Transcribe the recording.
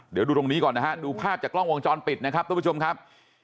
เดี๋ยวดูตรงนี้ก่อนนะฮะดูภาพจากกล้องวงจรปิดนะครับทุกผู้ชมครับ